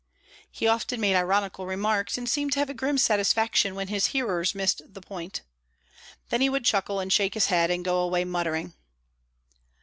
He often made ironical remarks, and seemed to have a grim satisfaction when his hearers missed the point. Then he would chuckle, and shake his head, and go away muttering.